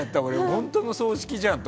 本当の葬式じゃんって。